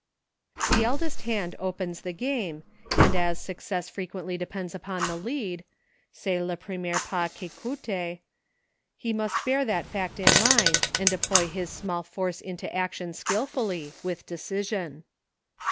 The eldest hand opens the game, and as success frequently depends upon the lead — c'est le premier pas qui collie — he must bear that fact in mind, and deploy his small force into action skillfully, with decision.